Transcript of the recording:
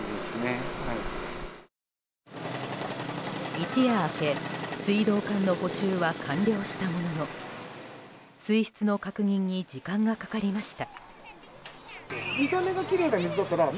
一夜明け、水道管の補修は完了したものの水質の確認に時間がかかりました。